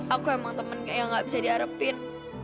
aku emang temen yang gak bisa diharapin